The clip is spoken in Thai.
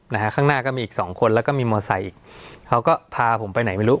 นะฮะข้างหน้าก็มีอีกสองคนแล้วก็มีมอไซค์อีกเขาก็พาผมไปไหนไม่รู้